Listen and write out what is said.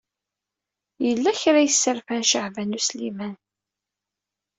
Yella kra i yesserfan Caɛban U Sliman.